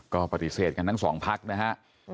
ก็ปฏิเสธกันทั้งสองพักนะฮะ